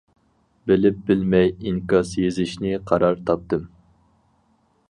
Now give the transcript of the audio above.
بىلىپ بىلمەي ئىنكاس يېزىشنى قارار تاپتىم.